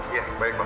iya baik pak